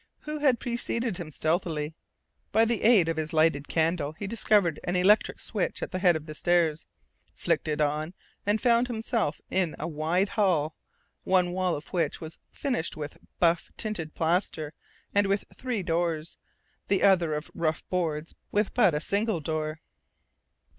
Who had preceded him stealthily?... By the aid of his lighted candle he discovered an electric switch at the head of the stairs, flicked it on, and found himself in a wide hall, one wall of which was finished with buff tinted plaster and with three doors, the other of rough boards with but a single door.